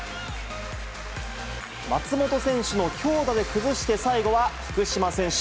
松本選手の強打で崩して最後は福島選手。